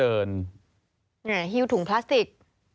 ฮิลถุงพลาสติก